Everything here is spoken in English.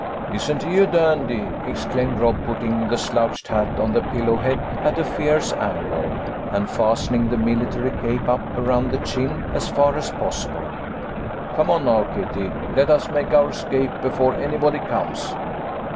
" Isn't he a dandy !" exclaimed Rob, putting the slouched hat on the pillow head at a fierce angle, 158 THE LITTLE COLONEL'S HOLIDAYS. and fastening the military cape up around the chin as far as possible. " Come on now, Kitty, let us make our escape before anybody comes."